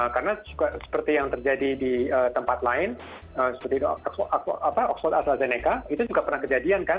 karena seperti yang terjadi di tempat lain seperti di oxford azlazeneca itu juga pernah kejadian kan